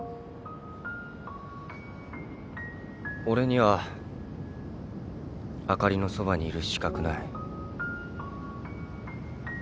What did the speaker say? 俺にはあかりのそばにいる資格ない。